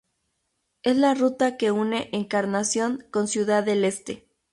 Es la ruta que une Encarnación con Ciudad del Este.